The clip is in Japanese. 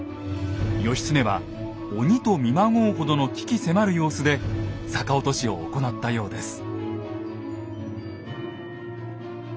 義経は鬼と見まごうほどの鬼気迫る様子で逆落としを行ったようです。